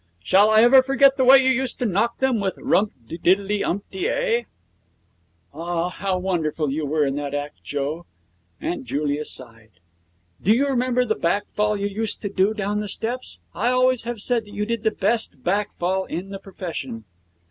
Shall I ever forget the way you used to knock them with "Rumpty tiddley umpty ay"?' 'Ah! how wonderful you were in that act, Joe.' Aunt Julia sighed. 'Do you remember the back fall you used to do down the steps? I always have said that you did the best back fall in the profession.'